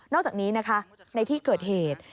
อกจากนี้นะคะในที่เกิดเหตุ